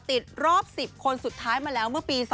ติดรอบ๑๐คนสุดท้ายมาแล้วเมื่อปี๒๕๖